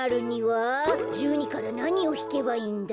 １２からなにをひけばいいんだ？